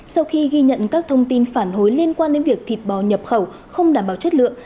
sau khi ghi nhận các thông tin phản hồi liên quan đến việc thịt bò nhập khẩu không đảm bảo chất lượng